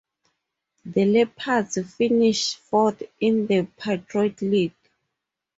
The Leopards finished fourth in the Patriot League.